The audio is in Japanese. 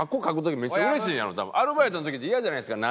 アルバイトの時ってイヤじゃないですか。